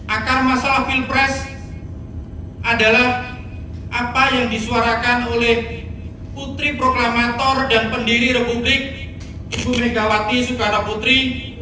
akar masalah pilpres adalah apa yang disuarakan oleh putri proklamator dan pendiri republik ibu megawati sukarno putri